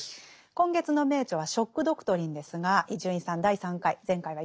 今月の名著は「ショック・ドクトリン」ですが伊集院さん第３回前回はいかがでしたか？